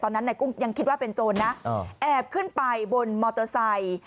นายกุ้งยังคิดว่าเป็นโจรนะแอบขึ้นไปบนมอเตอร์ไซค์